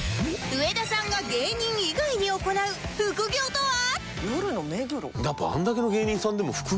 上田さんが芸人以外に行う副業とは？